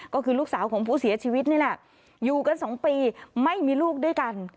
ก็คือลูกสาวของผู้เสียชีวิตนี่แหละอยู่กัน๒ปีไม่มีลูกด้วยกัน